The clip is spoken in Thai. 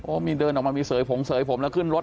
มีเดินออกมามีเสยผงเสยผมแล้วขึ้นรถ